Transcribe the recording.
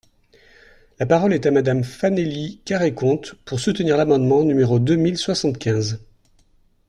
La parole est à Madame Fanélie Carrey-Conte, pour soutenir l’amendement numéro deux mille soixante-quinze.